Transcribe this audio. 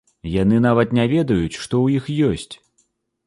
Яны нават не ведаюць, што ў іх ёсць!